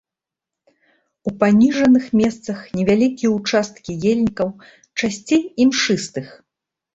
У паніжаных месцах невялікія ўчасткі ельнікаў, часцей імшыстых.